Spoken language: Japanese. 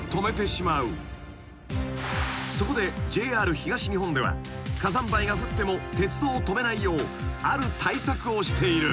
［そこでＪＲ東日本では火山灰が降っても鉄道を止めないようある対策をしている］